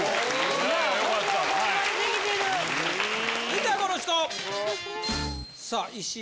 続いてはこの人。